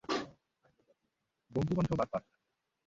বন্ধুবান্ধব আর পার্টনার।